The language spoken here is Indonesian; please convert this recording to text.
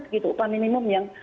begitu upah minimum yang